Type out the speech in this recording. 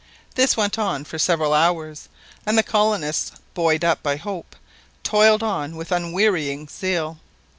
This went on for several hours, and the colonists, buoyed up by hope, toiled on with unwearying zeal.